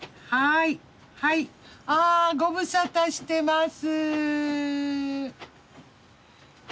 ああご無沙汰してます。